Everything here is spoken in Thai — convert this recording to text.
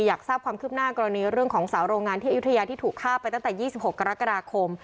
อยากทราบความคืบหน้ากรณีเรื่องของสาวโรงงานที่อายุทยาที่ถูกฆ่าไปตั้งแต่๒๖กรกฎาคม